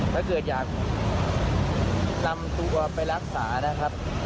ถ้าเกิดอยากนำตัวไปรักษานะครับ